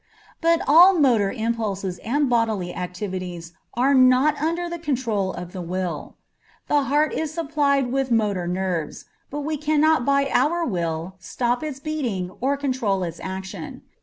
But all motor impulses and bodily activities are not under the control of the will. The heart is supplied with motor nerves, but we cannot by our will stop its beating or control its action.